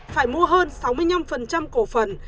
phải mua hơn sáu mươi năm cổ phần